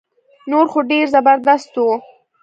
نور خو ډير زبردست وو